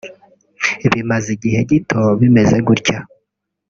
bimaze igihe gito bimeze gutyo